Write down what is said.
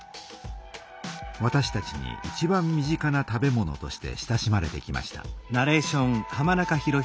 わたしたちにいちばん身近な食べ物として親しまれてきました。